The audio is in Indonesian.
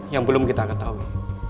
yang belum kita ketahui